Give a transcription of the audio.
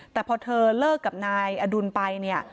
แต่พอเธอเลิกกับนายอดุลไป